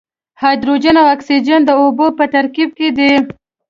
هایدروجن او اکسیجن د اوبو په ترکیب کې دي.